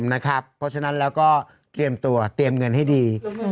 เพราะฉะนั้นแล้วก็เตรียมตัวเตรียมเงินให้ดี